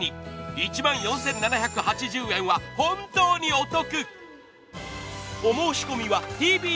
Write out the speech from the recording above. １万４７８０円は本当にお得！